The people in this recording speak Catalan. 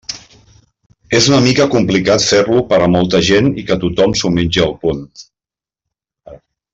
És una mica complicat fer-lo per a molta gent i que tothom s'ho mengi al punt.